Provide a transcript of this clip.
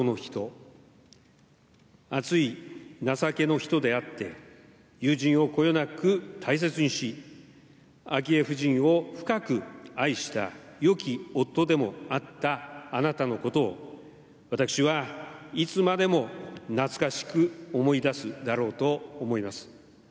一途な真の人熱い情けの人であって友人をこよなく大切にし昭恵夫人を深く愛したよき夫でもあったあなたのことを私はいつまでも懐かしく思い出すだろうと思います。